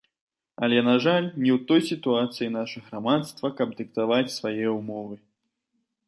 Але, на жаль, не ў той сітуацыі наша грамадства, каб дыктаваць свае ўмовы.